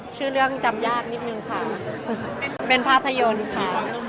ชื่อเรื่องจำยากนิดนึงค่ะเป็นภาพยนตร์ค่ะ